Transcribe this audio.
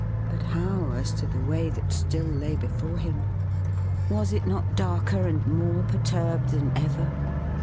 But how as to the way that still lay before him ? Was it not darker and more perturbed than ever